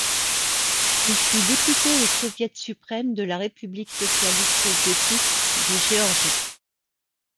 Il fut député au Soviet suprême de la République socialiste soviétique de Géorgie.